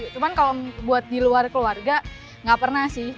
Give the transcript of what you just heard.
cuman kalau buat di luar keluarga nggak pernah sih